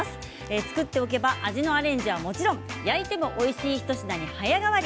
作っておけば味のアレンジやもちろん焼いてもおいしい一品に早変わり。